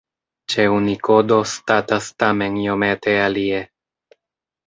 Ĉe Unikodo statas tamen iomete alie.